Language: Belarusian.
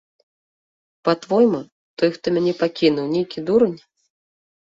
Па-твойму, той, хто мяне пакінуў, нейкі дурань?